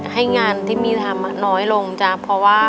ให้งานที่มีสามารถน้อยลงเพราะว่า